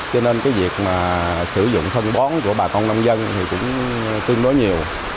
cho nên việc sử dụng phân bón của bà con nông dân cũng tương đối nhiều